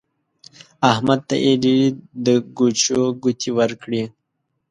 احمد ته يې ډېرې د ګوچو ګوتې ورکړې.